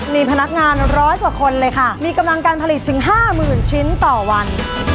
มีพนักงานร้อยกว่าคนเลยค่ะมีกำลังการผลิตถึง๕๐๐๐ชิ้นต่อวัน